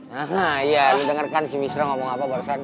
hah iya lu denger kan si wisra ngomong apa barusan